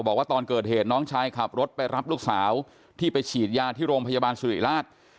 บอกว่าตอนเกิดเหตุน้องชายขับรถไปรับลูกสาวที่ไปฉีดยาที่โรงพยาบาลสุริราช